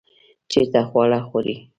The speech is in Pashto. چیرته خواړه خورئ؟